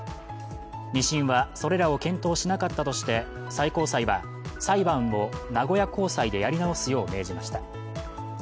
２審はそれらを検討しなかったとして最高裁は裁判を名古屋高裁でやり直すよう命じました。